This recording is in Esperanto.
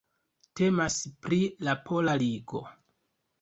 Temas pri la Pola Ligo.